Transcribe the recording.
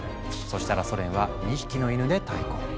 そしたらソ連は２匹のイヌで対抗。